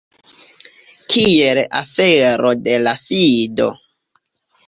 Kiel afero de la fido!